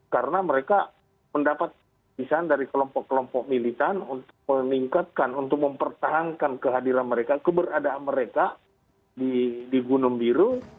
karena mereka mendapat kisahan dari kelompok kelompok militan untuk meningkatkan untuk mempertahankan kehadiran mereka keberadaan mereka di gunung biru